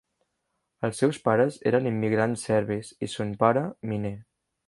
Els seus pares eren immigrants serbis, i son pare, miner.